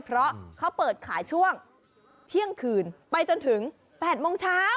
เพราะเขาเปิดขายช่วงเที่ยงคืนไปจนถึง๘โมงเช้า